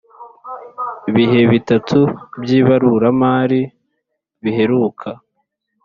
bihe bitatu by ibaruramari biheruka